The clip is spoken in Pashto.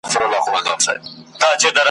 هم پردې سي هم غلیم د خپل تربور وي `